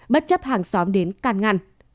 bất chấp hàng xóm đến càn ngăn